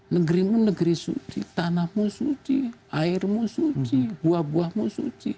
negerimu negeri suci tanahmu suci airmu suci buah buahmu suci